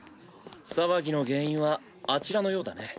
騒ぎの原因はあちらのようだね。